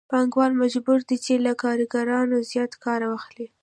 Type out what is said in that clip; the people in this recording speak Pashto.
پانګوال مجبور دی چې له کارګرانو زیات کار واخلي